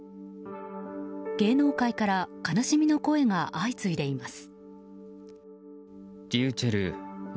芸能界から悲しみの声が相次いでいます。